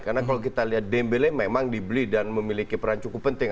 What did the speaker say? karena kalau kita lihat dembele memang dibeli dan memiliki peran cukup penting